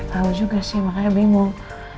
gak tau juga sih makanya bingung